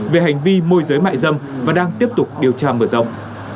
về hành vi mua dưới mại dâm và đang tiếp tục điều tra mở rộng